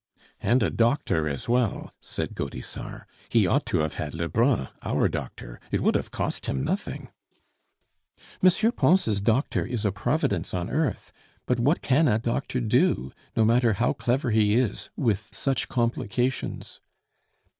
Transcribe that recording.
"And a doctor as well," said Gaudissart. "He ought to have had Lebrun, our doctor; it would have cost him nothing." "M. Pons' doctor is a Providence on earth. But what can a doctor do, no matter how clever he is, with such complications?"